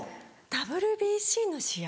ＷＢＣの試合。